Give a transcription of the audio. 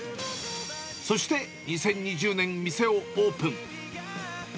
そして２０２０年、店をオープン。